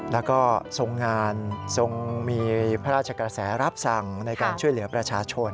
แล้วก็ทรงงานทรงมีพระราชกระแสรับสั่งในการช่วยเหลือประชาชน